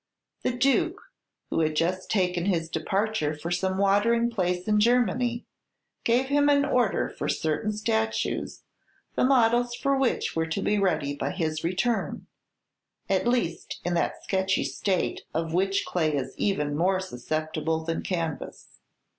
The Duke, who had just taken his departure for some watering place in Germany, gave him an order for certain statues, the models for which were to be ready by his return, at least, in that sketchy state of which clay is even more susceptible than canvas.